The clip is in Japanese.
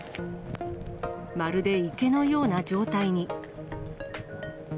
まるで池のような状態に。